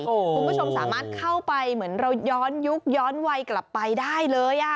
คุณผู้ชมสามารถเข้าไปเหมือนเราย้อนยุคย้อนวัยกลับไปได้เลย